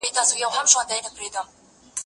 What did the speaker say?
ته ولي سپينکۍ مينځې،